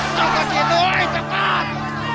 jangan ke situ cokot